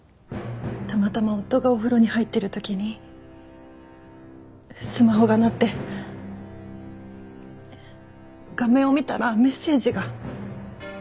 たまたま夫がお風呂に入っている時にスマホが鳴って画面を見たらメッセージが。